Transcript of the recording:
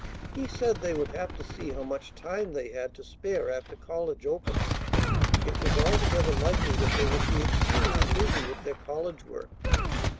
He said they would have to see how much time they had to spare after college opened. It was altogether likely that they would be exceedingly busy with their college work.